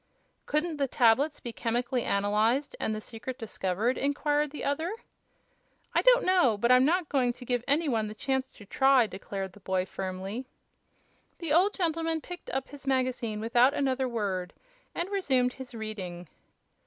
"Couldn't the tablets be chemically analyzed, and the secret discovered?" inquired the other. "I don't know; but I'm not going to give any one the chance to try," declared the boy, firmly. The old gentleman picked up his magazine without another word, and resumed his reading.